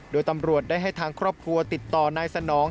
โดยตำรวจได้ให้ทางครอบครัวติดต่อนายสนอง